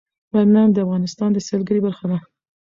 بامیان د افغانستان د سیلګرۍ برخه ده.